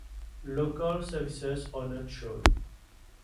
Local services are not shown.